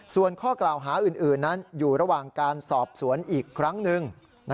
ส่วนข้อกล่าวหาอื่นนั้นอยู่ระหว่างการสอบสวนอีกครั้งหนึ่ง